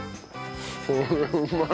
これうまい！